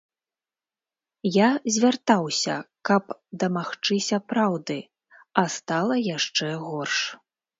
Я звяртаўся, каб дамагчыся праўды, а стала яшчэ горш.